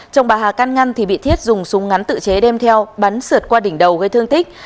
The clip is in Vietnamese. chồng bà hà can ngăn thì bị thiết dùng súng ngắn tự chế đem theo bắn sượt qua đỉnh đầu gây thương tích